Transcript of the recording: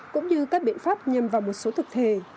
cũng như các biện pháp nhằm vào một số thực thể